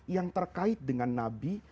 yang terkait dengan nabi